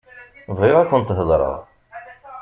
Bɣiɣ ad akent-heḍṛeɣ.